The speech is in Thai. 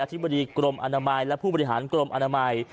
ธิบดีกรมอนามัยและผู้บริหารกรมอนามัย